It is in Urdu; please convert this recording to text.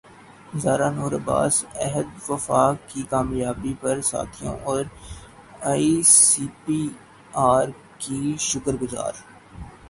زارا نور عباس عہد وفا کی کامیابی پر ساتھیوں اور ائی ایس پی ار کی شکر گزار